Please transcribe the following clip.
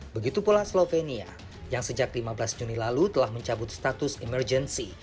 begitu pula slovenia yang sejak lima belas juni lalu telah mencabut status emergency